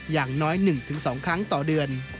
อย่างน้อย๑๒ครั้งต่อเดือน